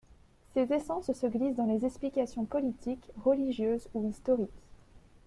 Ces essences se glissent dans les explications politiques, religieuses ou historiques.